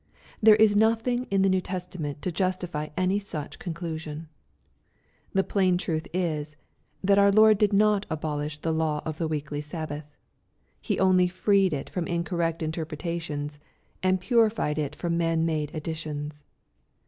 There is nothing in the New Testament to justify any such conclusion. The plain truth is, that our* Lord did not abolish the law of the weekly Sabbath. He only freed it from incorrect interpretations, and purified it from man made additions.